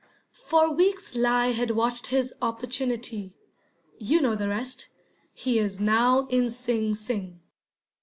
For weeks he had watched his opportunity you know the rest. He is now in Sing Sing.